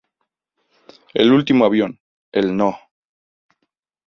El último avión, el No.